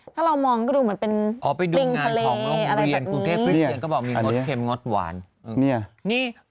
ถ้าเรามองก็ดูเหมือนเป็นเรงคะเลอะไรแบบนี้